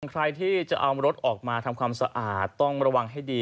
ใครที่จะเอารถออกมาทำความสะอาดต้องระวังให้ดี